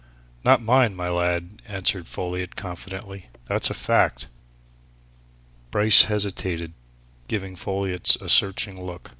"Not mine, my lad!" answered Folliot, confidently. "That's a fact?" Bryce hesitated, giving Folliot a searching look.